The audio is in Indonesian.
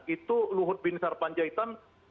itu luhut bin sarpanjaitan